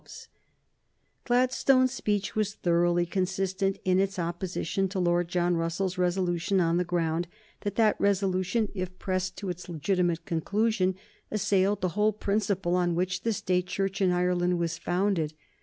[Sidenote: 1835 Defeat of Peel's Ministry] Gladstone's speech was thoroughly consistent in its opposition to Lord John Russell's resolution on the ground that that resolution, if pressed to its legitimate conclusion, assailed the whole principle on which the State Church in Ireland was founded.